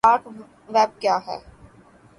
dark web کیا ہے